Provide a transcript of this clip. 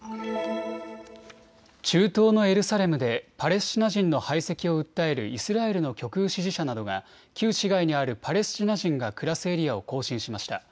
中東のエルサレムでパレスチナ人の排斥を訴えるイスラエルの極右支持者などが旧市街にあるパレスチナ人が暮らすエリアを行進しました。